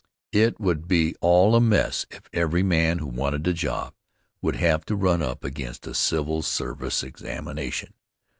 It would be all a mess if every man who wanted a job would have to run up against a civil service examination.